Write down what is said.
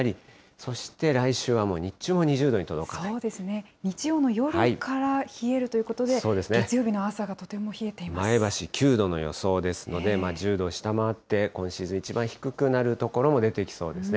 そうですね、日曜の夜から冷えるということで、月曜日の朝が前橋９度の予想ですので、１０度を下回って、今シーズン一番低くなる所も出てきそうですね。